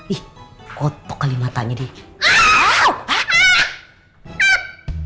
ih kotok kali matanya deh